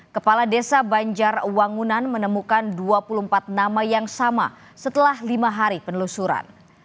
kepala desa banjar wangunan menemukan dua puluh empat nama yang sama setelah lima hari penelusuran